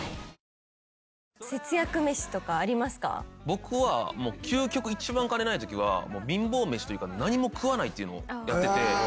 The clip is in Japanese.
僕は究極一番金ない時は貧乏メシというか何も食わないっていうのをやってて。